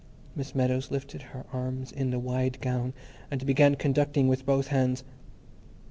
Miss Meadows lifted her arms in the wide gown and began conducting with both hands.